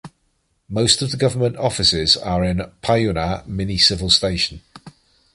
Most of the government offices are in Payyanur Mini Civil Station.